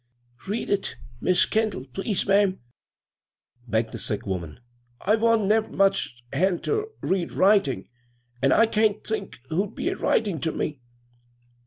" Read it; Mis' Kendall, please, ma'am," begged the side woman. " I wa'n't never much hand ter read writio', an' I can't think who'd be a writin' ter me.